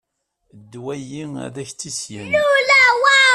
Ddwa-agi ad k-issgen.